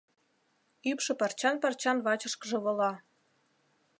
Ӱпшӧ парчан-парчан вачышкыже вола.